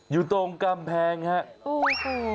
อยู่ตรงกำแพงครับ